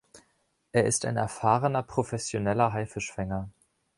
Er ist ein erfahrener professioneller Haifisch-Fänger.